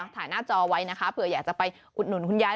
ถ่ายหน้าจอไว้เผื่ออยากจะไปอุดหนุนคุณยาย